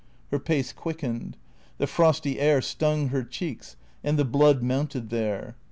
Her pace quickened. The frosty air stung her cheeks and the blood mounted there.